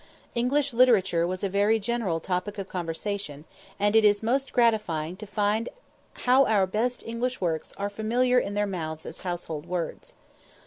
English literature was a very general topic of conversation, and it is most gratifying to find how our best English works are "familiar in their mouths as household words."